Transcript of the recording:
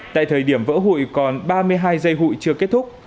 tại thời điểm vỡ hụi còn ba mươi hai giây hụi chưa kết thúc